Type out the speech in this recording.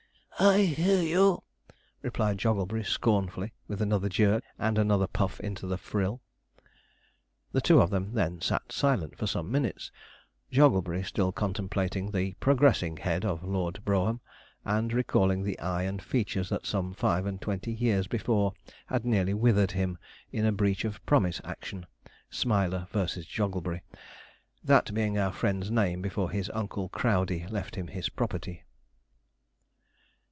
'I hear you,' replied Jogglebury scornfully, with another jerk, and another puff into the frill. The two then sat silent for some minutes, Jogglebury still contemplating the progressing head of Lord Brougham, and recalling the eye and features that some five and twenty years before had nearly withered him in a breach of promise action, 'Smiler v. Jogglebury,' that being our friend's name before his uncle Crowdey left him his property.